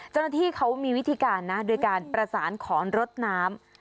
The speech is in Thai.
เจ้าหน้าที่เขามีวิธีการนะโดยการประสานขอรถน้ำ